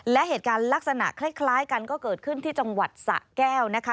และเหตุการณ์ลักษณะคล้ายกันก็เกิดขึ้นที่จังหวัดสะแก้วนะคะ